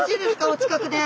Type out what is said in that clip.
お近くで。